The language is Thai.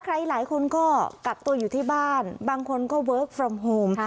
หลายคนก็กักตัวอยู่ที่บ้านบางคนก็เวิร์คฟรอมโฮม